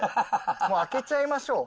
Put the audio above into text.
もう開けちゃいましょう。